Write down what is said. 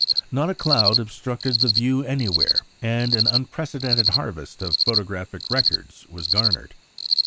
Not a cloud obstructed the view anywhere, and an unprecedented harvest of photographic records was garnered.